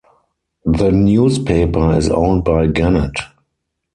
The newspaper is owned by Gannett.